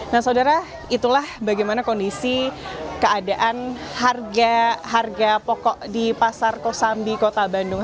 nah saudara itulah bagaimana kondisi keadaan harga pokok di pasar kosambi kota bandung